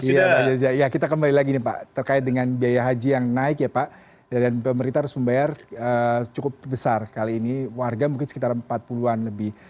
iya mbak deza ya kita kembali lagi nih pak terkait dengan biaya haji yang naik ya pak dan pemerintah harus membayar cukup besar kali ini warga mungkin sekitar empat puluh an lebih